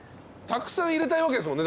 たくさん入れたいわけですもんね。